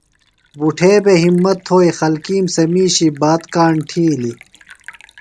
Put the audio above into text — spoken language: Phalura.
بُٹھے بھےۡ ہمت تھوئی۔ خلکِیم سےۡ مِیشی بات کاݨ تِھیلیۡ۔